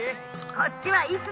こっちはいつでも。